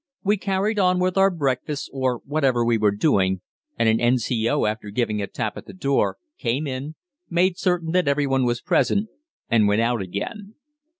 We carried on with our breakfasts or whatever we were doing, and an N.C.O., after giving a tap at the door, came in, made certain that every one was present, and went out again.